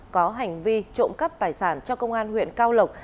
có hành vi trộm cắp tài sản cho công an huyện cao lộc